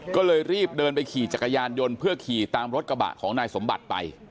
ก็เลยรีบเดินไปขี่จักรยานยนต์เพื่อขี่ตามรถกระบะของนายสมบัติไป